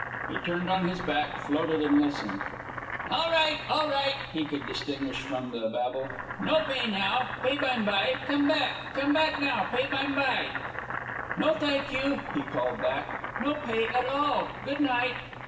He turned on his back, floated, and listened. "All right! All right!" he could distinguish from the babel. "No pay now; pay bime by! Come back! Come back now; pay bime by!" "No, thank you," he called back. "No pay at all. Good night."